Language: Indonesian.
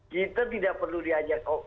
kita tidak perlu diajak